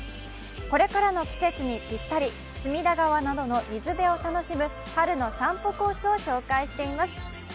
これからの季節にぴったり、隅田川などの水辺を楽しむ春の散歩コースを紹介しています。